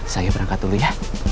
saya berangkat dulu ya